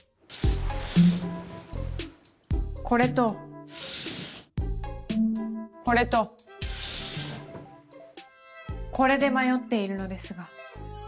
これとこれとこれで迷っているのですが。